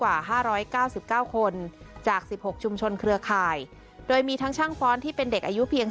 และบ่นกล้าทั้งยังถือเป็นการเริ่มต้นงานประเพณีปีใหม่เมือง